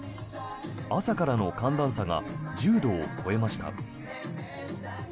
朝からの寒暖差が１０度を超えました。